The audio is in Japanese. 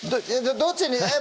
どっちに⁉